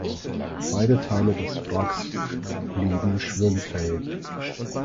Beide Teile des Wracks blieben schwimmfähig.